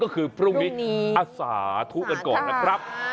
ก็คือพรุ่งนี้อาสาธุกันก่อนนะครับ